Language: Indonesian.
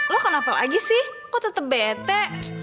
lo kenapa lagi sih kok tetap bete